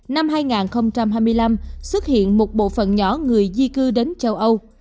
năm hai nghìn hai mươi năm xuất hiện một bộ phận nhỏ người di cư đến châu âu